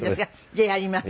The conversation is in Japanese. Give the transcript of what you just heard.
じゃあやります。